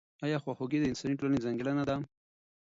آیا خواخوږي د انساني ټولنې ځانګړنه ده؟